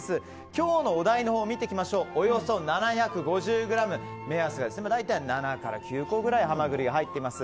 今日のお題のほうはおよそ７５０ｇ目安で７から９個ぐらいハマグリが入っています。